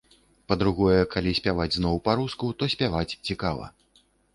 Па-другое, калі спяваць зноў па-руску, то спяваць цікава.